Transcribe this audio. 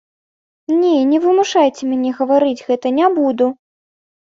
Не, не вымушайце мяне гаварыць гэта, не буду.